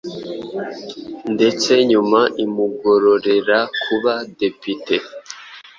ndetse nyuma imugororera kuba depite